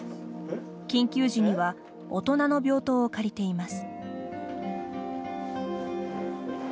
緊急時には大人の病棟を借りています。